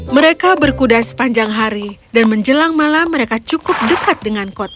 mereka berkuda sepanjang hari dan menjelang malam mereka cukup dekat dengan kota